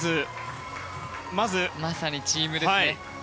まさにチームですね。